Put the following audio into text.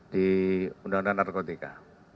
di undang undang narkotika